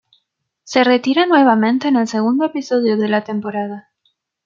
Se retira nuevamente en el segundo episodio de la temporada.